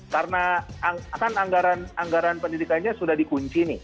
karena kan anggaran pendidikannya sudah dikunci nih